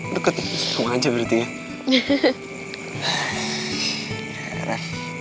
deket rumah aja berarti ya